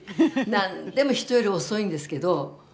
何でも人より遅いんですけど。